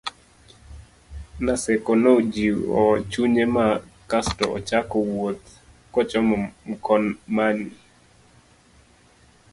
Naseko nojiwo chunye ma kasto ochako wuoth kochomo Mkomani